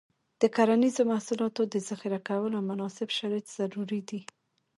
د کرنیزو محصولاتو د ذخیره کولو مناسب شرایط ضروري دي.